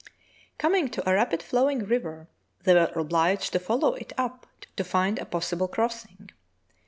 Coming to a rapid flowing river, they were obliged to follow it up to find a possible crossing.